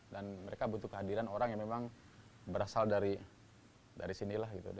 dan mereka butuh kehadiran orang yang memang berasal dari sini lah gitu